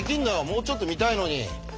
もうちょっと見たいのに。